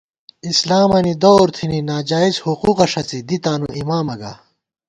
اسلامَنی دورتھنی ناجائزحقوقہ ݭڅی دی تانُواِمامہ گا